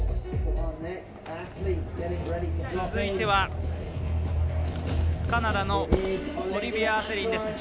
続いてはカナダのオリビア・アセリン。